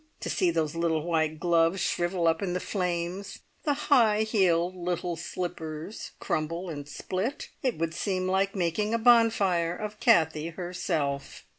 To see those little white gloves shrivel up in the flames, the high heeled little slippers crumple and split? It would seem like making a bonfire of Kathie herself.